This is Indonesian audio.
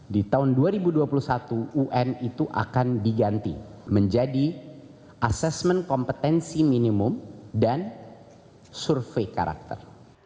di tahun dua ribu dua puluh satu un itu akan diganti menjadi asesmen kompetensi minimum dan survei karakter